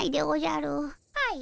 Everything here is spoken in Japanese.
はい。